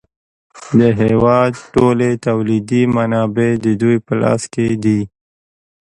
د هېواد ټولې تولیدي منابع د دوی په لاس کې دي